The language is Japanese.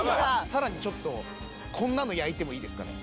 さらにちょっとこんなの焼いてもいいですかね